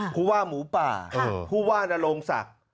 ผู้ว่าหมูป่าผู้ว่านโรงศักดิ์